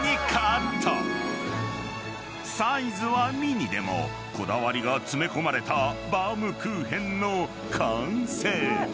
［サイズはｍｉｎｉでもこだわりが詰め込まれたバームクーヘンの完成］